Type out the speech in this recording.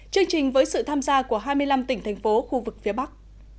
chương trình với sự tham gia của hai mươi năm tỉnh thành phố khu vực phía bắc